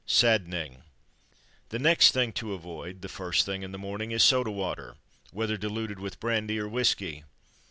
Saddening! The next thing to avoid, the first thing in the morning, is soda water, whether diluted with brandy or whisky.